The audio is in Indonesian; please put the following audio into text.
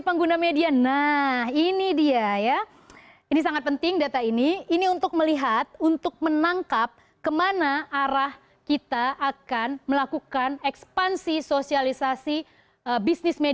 pengguna media nah ini dia ya ini sangat penting data ini ini untuk melihat untuk menangkap kemana arah kita akan melakukan ekspansi sosialisasi bisnis